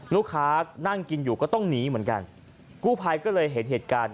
นั่งกินอยู่ก็ต้องหนีเหมือนกันกู้ภัยก็เลยเห็นเหตุการณ์